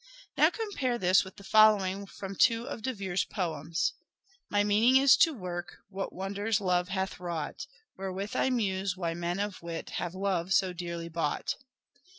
Now compare this with the following from two of De Vere's poems :—" My meaning is to work What wonders love hath wrought ; Wherewith I muse why men of wit Have love so dearly bought."